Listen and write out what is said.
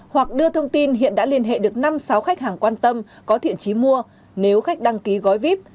hoặc đưa thông tin hiện đã liên hệ được năm sáu khách hàng quan tâm có thiện trí mua nếu khách đăng ký gói vip